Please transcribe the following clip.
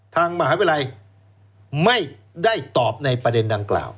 ทางมหาวิทยาลัยไม่ได้ตอบในประเด็นดังกล่าว